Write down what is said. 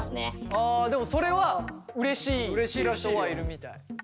ああでもそれはうれしい人はいるみたい。